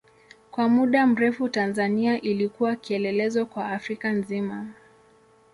Kwa muda mrefu Tanzania ilikuwa kielelezo kwa Afrika nzima.